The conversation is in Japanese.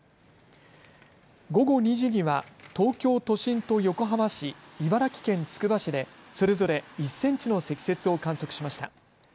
午後２時には東京都心と横浜市、茨城県つくば市でそれぞれ１センチの積雪を観測しました。